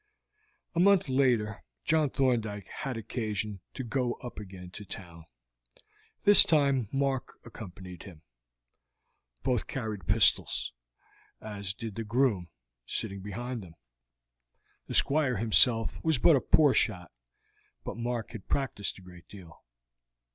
A month later John Thorndyke had occasion to go up again to town. This time Mark accompanied him. Both carried pistols, as did the groom, sitting behind them. The Squire himself was but a poor shot, but Mark had practiced a great deal.